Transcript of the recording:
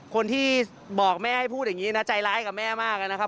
คนที่บอกแม่ให้พูดอย่างนี้นะใจร้ายกับแม่มากนะครับ